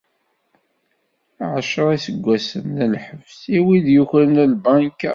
Ԑecra iseggasen d lḥebs i win yukren lbanka.